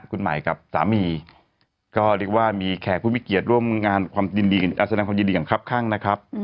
คุณใหม่กับสามีก็เรียกว่ามีแขกผู้มิเกียจร่วมงานอัศนาความยินดีกับครับข้างนะครับ